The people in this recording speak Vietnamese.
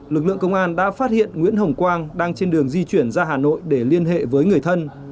lực lượng công an đã phát hiện nguyễn hồng quang đang trên đường di chuyển ra hà nội để liên hệ với người thân